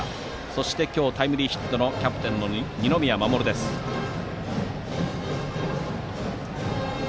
そして今日タイムリーヒットのキャプテン、二宮士の打席。